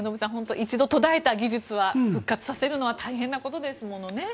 一度、途絶えた技術は復活させることは大変なものですものね。